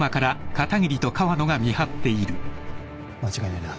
間違いないな。